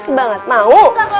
enggak enggak mau